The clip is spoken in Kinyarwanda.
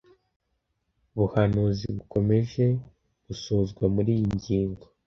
buhanuzi bukomeje gusohozwa Muri iyi ngingo